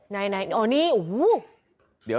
อ๋อนี่โอ้โฮ